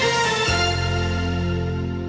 อ๋อเหรอภูกรรมที่ประเทศภามากโอเคไปก่อนนะครับสวัสดีครับ